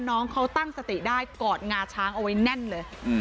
น้องเขาตั้งสติได้กอดงาช้างเอาไว้แน่นเลย